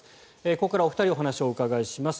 ここからお二人にお話をお伺いします。